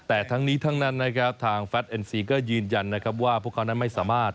แต่ทั้งนี้ทั้งนั้นนะครับทางแฟทเอ็นซีก็ยืนยันนะครับว่าพวกเขานั้นไม่สามารถ